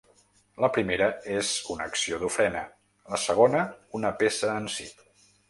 La primera és una acció d’ofrena, la segona una peça en si.